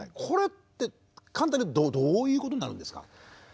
これって簡単に言うとどういうことになるんですか？